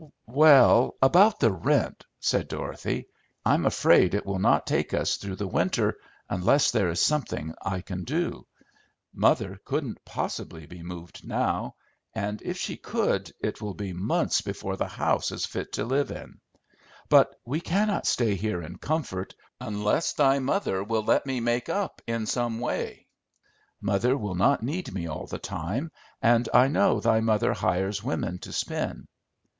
"Well, about the rent," said Dorothy. "I'm afraid it will not take us through the winter, unless there is something I can do. Mother couldn't possibly be moved now; and if she could, it will be months before the house is fit to live in. But we cannot stay here in comfort, unless thy mother will let me make up in some way. Mother will not need me all the time, and I know thy mother hires women to spin."